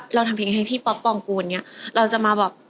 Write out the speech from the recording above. เราทำเพลงของฮีพี่ป๊อปปองกูงี้เราจะมาแบบ